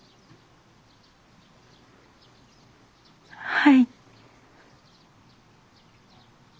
はい。